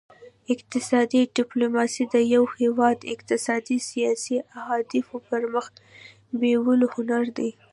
اقتصادي ډیپلوماسي د یو هیواد اقتصادي او سیاسي اهدافو پرمخ بیولو هنر دی